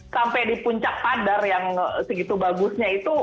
sampai di puncak padar yang segitu bagusnya itu